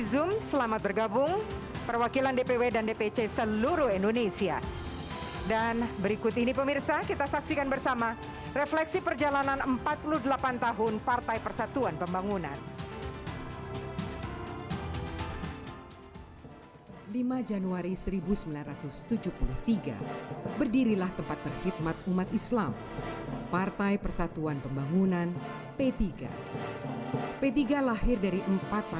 kita berharap pada usia itu kita bisa mengembalikan apa yang pernah dicapai oleh partai persatuan pembangunan sebelumnya